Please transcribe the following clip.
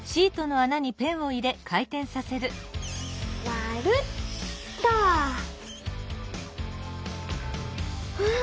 まるっと！うわ！